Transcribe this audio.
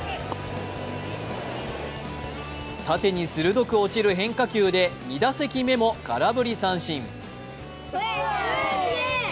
縦に鋭く落ちる変化球で２打席目も空振り三振。